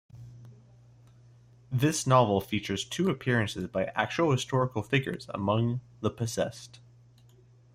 This novel features two appearances by actual historical figures among the possessed.